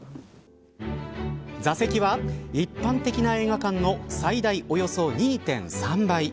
座席は一般的な映画館の最大およそ２．３倍。